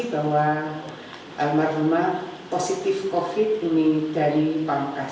kami dapat konfirmasi bahwa almarhumah positif covid ini dari pangkasan